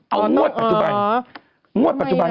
เอามวดปัจจุบัน